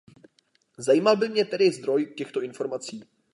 Zajímal by mě tedy zdroj těchto informací.